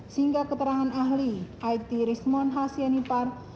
sehingga keterangan ahli it rismon h sianipar